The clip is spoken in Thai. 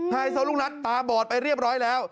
ไฮโซลูกนัทตาบอดไปเรียบร้อยแล้ว